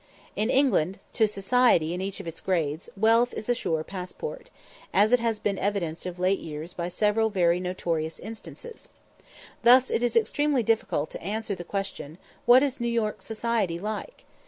In England, to "society," in each of its grades, wealth is a sure passport, as has been evidenced of late years by several very notorious instances. Thus it is extremely difficult to answer the question, "What is New York society like?"